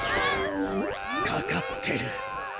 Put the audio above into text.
かかってる。